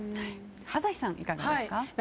朝日さん、いかがですか？